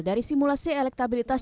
dari simulasi elektabilitas